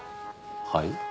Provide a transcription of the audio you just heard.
はい？